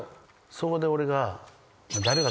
そこで俺が。